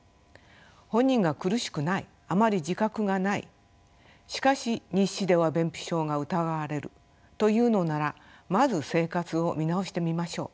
本人が苦しくないあまり自覚がないしかし日誌では便秘症が疑われるというのならまず生活を見直してみましょう。